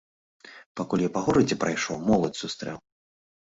Пакуль я па горадзе прайшоў, моладзь сустрэў.